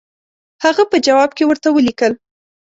هغه په جواب کې ورته ولیکل.